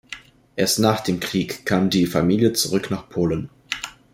Erst nach dem Krieg kam die Familie zurück nach Polen.